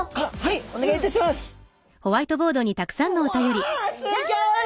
うわすギョい！